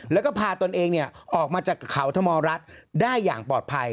แล้วก็พาตนเองออกมาจากเขาธมรัฐได้อย่างปลอดภัย